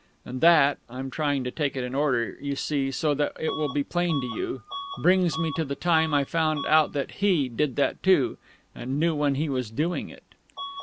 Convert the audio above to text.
And that (I'm trying to take it in order, you see, so that it will be plain to you) brings me to the time I found out that he did that too, and knew when he was doing it.